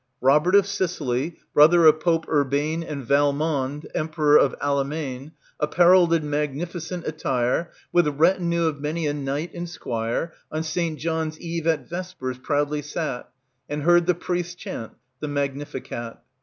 "Robert of Sicily, brother of Pope Urbane And — 93 — PILGRIMAGE Valmond Emperor of Allemaine, Apparelled in magnificent attire, With retinue of many a knight and squire, On St. John's eve, at vespers, proudly sat And heard the priests chant the Magnificat."